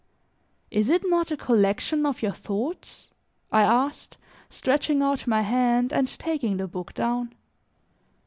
"Is it not a collection of your thoughts?" I asked, stretching out my hand and taking the book down.